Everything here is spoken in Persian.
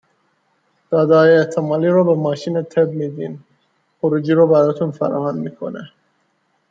دادههای احتمالی رو به ماشین طِب میدین، خروجی رو براتون فراهم میکنه